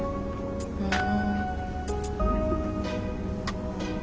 ふん。